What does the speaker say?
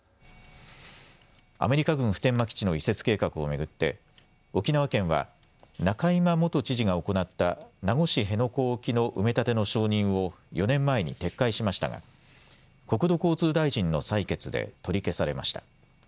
アメリカ軍普天間基地の移設計画を巡って沖縄県は仲井真元知事が行った名護市辺野古沖の埋め立ての承認を４年前に撤回しましたが国土交通大臣の裁決で取り消されました。